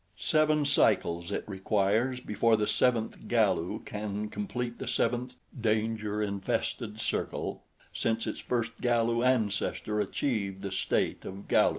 Seven cycles it requires before the seventh Galu can complete the seventh danger infested circle since its first Galu ancestor achieved the state of Galu.